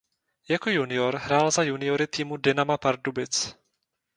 Jako junior hrál za juniory týmu Dynama Pardubic.